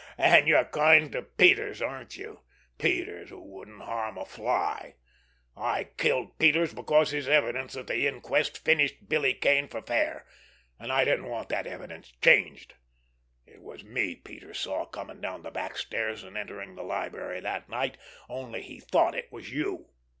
"And you're kind to Peters, aren't you? Peters, who wouldn't harm a fly! I killed Peters because his evidence at the inquest finished Billy Kane for fair, and I didn't want that evidence changed. It was me Peters saw coming down the back stairs and entering the library that night—only he thought it was you.